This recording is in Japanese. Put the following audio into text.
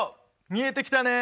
見えてきたね！